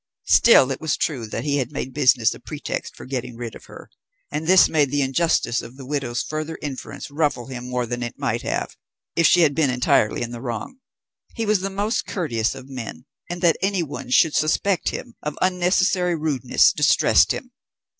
Still it was true that he had made business a pretext for getting rid of her, and this made the injustice of the widow's further inference ruffle him more than it might have if she had been entirely in the wrong. He was the most courteous of men, and that anyone should suspect him of unnecessary rudeness distressed him.